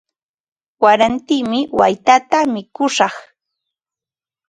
Warantimi waytata mikushaq.